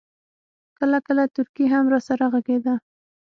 کله کله تورکى هم راسره ږغېده.